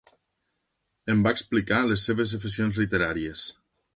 Em va explicar les seves aficions literàries